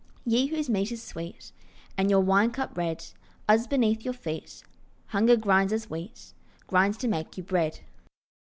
Ye whose meat is sweet And your wine cup red, Us beneath your feet Hunger grinds as wheat, Grinds to make you bread.